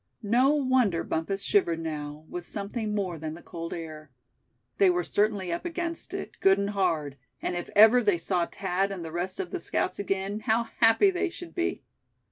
No wonder Bumpus shivered now, with something more than the cold air. They were certainly up against it, good and hard; and if ever they saw Thad and the rest of the scouts again, how happy they should be.